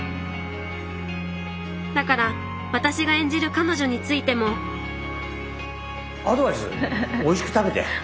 だから私が演じる彼女についてもおいしく。